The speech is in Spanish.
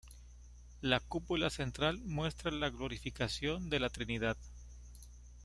La cúpula central muestra la glorificación de la Trinidad.